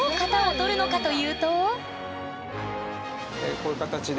こういう形で。